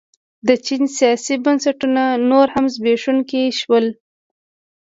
د چین سیاسي بنسټونه نور هم زبېښونکي شول.